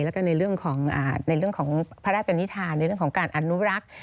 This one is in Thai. แล้วก็ในเรื่องของพระราชปนิษฐานในเรื่องของการอนุรักษ์